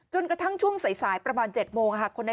กระทั่งช่วงสายประมาณ๗โมง